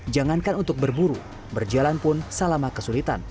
jangankan untuk berburu berjalan pun salama kesulitan